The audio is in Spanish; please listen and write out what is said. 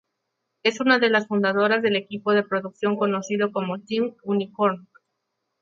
Es una de las fundadoras del equipo de producción conocido como "Team Unicorn".